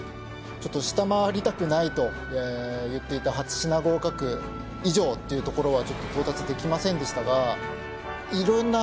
ちょっと下回りたくないと言っていた８品合格以上っていうところはちょっと到達できませんでしたがというふうに思いました